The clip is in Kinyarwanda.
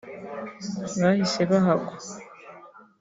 bahise bahagwa